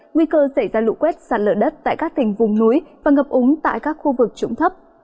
nguy cơ xảy ra lũ quét sạt lở đất tại các tỉnh vùng núi và ngập úng tại các khu vực trũng thấp